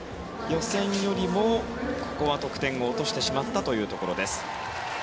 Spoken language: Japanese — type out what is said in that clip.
予選よりも、ここは得点を落としてしまったというところ。